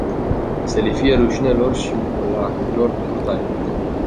Să le fie rușine lor și mulahilor brutali.